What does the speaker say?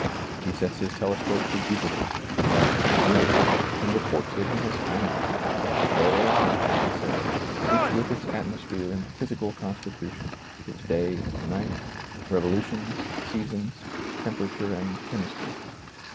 He sets his telescope for Jupiter, Saturn, Sirius, and reports that he lias found them ; there they are, he says, each with its atmosphere and physical constitution, its day and night, revolutions, seasons, temperature and chemistry.